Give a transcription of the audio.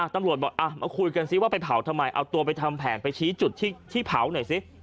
ตำรวจบอกมาคุยกันซิว่าไปเผาทำไมเอาตัวไปทำแผนไปชี้จุดที่เผาหน่อยสิ